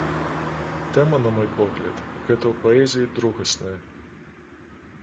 Тэма, на мой погляд, гэта ў паэзіі другаснае.